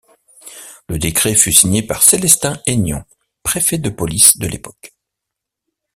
Le décret fut signé par Célestin Hennion, préfet de police de l'époque.